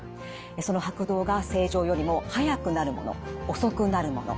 その拍動が正常よりも速くなるもの遅くなるもの